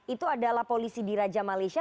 itu adalah polisi di raja malaysia